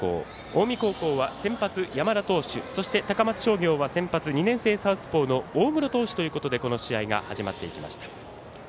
近江高校は先発、山田投手そして、高松商業は先発、２年生サウスポーの大室投手ということでこの試合が始まっていきました。